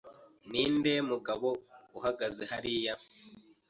Ninde mugabo uhagaze hariya?